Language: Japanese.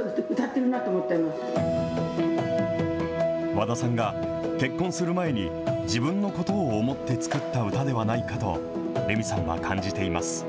和田さんが結婚する前に、自分のことを思って作った歌ではないかと、レミさんは感じています。